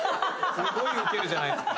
すごいウケるじゃないっすか。